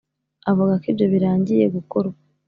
Avuga ko ibyo birangiye gukorwa